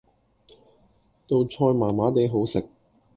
道菜麻麻地好食